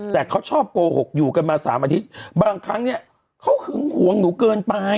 แต่เขาชอบโกหกอยู่กันมาสามอาทิตย์บางครั้งเนี่ยเขาหึงหวงหนูเกินไป